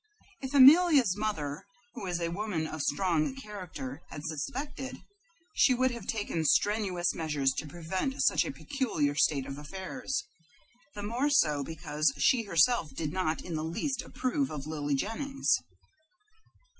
If Amelia's mother, who was a woman of strong character, had suspected, she would have taken strenuous measures to prevent such a peculiar state of affairs; the more so because she herself did not in the least approve of Lily Jennings.